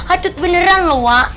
atut beneran loh wak